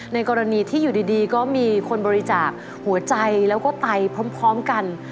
ในกรณีที่อยู่ดีก็มีคนบริจาคหัวใจแล้วก็ไตพร้อมกัน